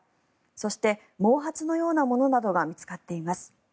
そして、毛髪のようなものなどが見つかっています。